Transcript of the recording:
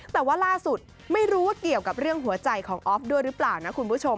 แต่ว่าล่าสุดไม่รู้ว่าเกี่ยวกับเรื่องหัวใจของออฟด้วยหรือเปล่านะคุณผู้ชม